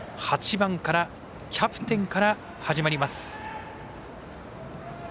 ８番からキャプテンから始まります。